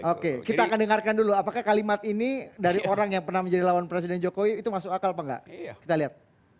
oke kita akan dengarkan dulu apakah kalimat ini dari orang yang pernah menjadi lawan presiden jokowi itu masuk akal apa enggak kita lihat